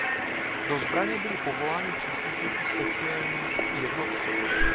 Do zbraně byli povoláni příslušníci specielních jednotek.